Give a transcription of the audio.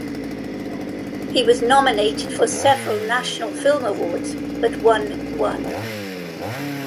He was nominated for several National Film Awards but won one.